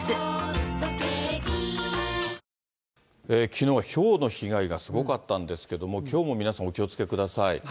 きのうはひょうの被害がすごかったんですけれども、きょうも皆さんお気をつけください。